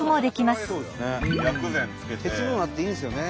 鉄分あっていいですよね。